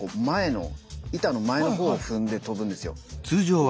前の板の前の方を踏んで跳ぶんですよ。